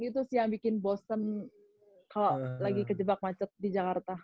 itu sih yang bikin bosen kalau lagi kejebak macet di jakarta